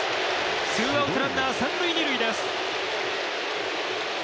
ツーアウトランナー、三塁二塁です。